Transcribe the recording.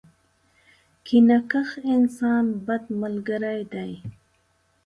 کینه کښ انسان ، بد ملګری دی.